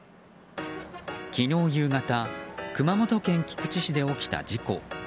昨日夕方熊本県菊池市で起きた事故。